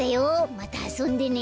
またあそんでね。